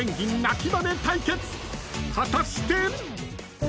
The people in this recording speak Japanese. ［果たして！？］